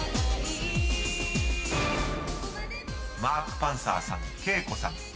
［マーク・パンサーさん